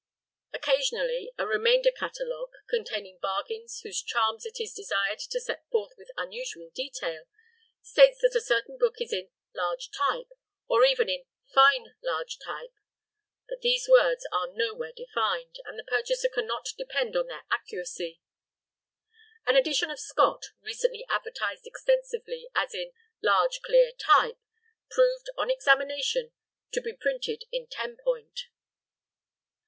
Occasionally a remainder catalogue, containing bargains whose charms it is desired to set forth with unusual detail, states that a certain book is in "large type," or even in "fine, large type," but these words are nowhere defined, and the purchaser cannot depend on their accuracy. An edition of Scott, recently advertised extensively as in "large, clear type," proved on examination to be printed in ten point.